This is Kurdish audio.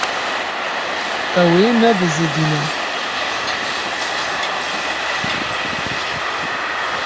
Ew ê nebizdîne.